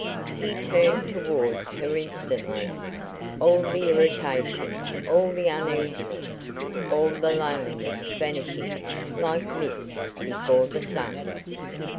He turned toward her instantly, all the irritation, all the uneasiness, all the loneliness vanishing like mist before the sun.